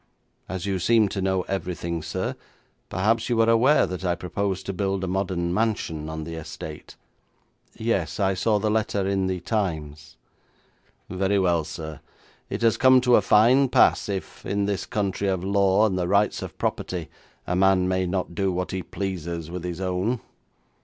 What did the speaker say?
As you seem to know everything, sir, perhaps you are aware that I propose to build a modern mansion on the estate.' 'Yes; I saw the letter in the Times.' 'Very well, sir. It has come to a fine pass if, in this country of law and the rights of property, a man may not do what he pleases with his own.'